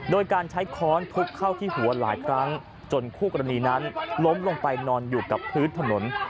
โดยการใช้ค้อนทุบเข้าที่หัวหลายครั้งจนคู่กรณีนั้นล้มลงไปนอนอยู่กับพื้นถนน